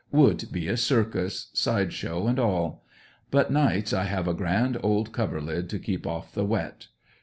Would be a circus; side show and all. But nights I have a grand old coverlid to keep off the wet.